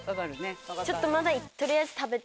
ちょっとまだ。